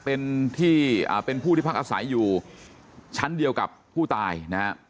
เป็นที่เป็นผู้ที่พักอาศัยอยู่ชั้นเดียวกับผู้ตายนะฮะ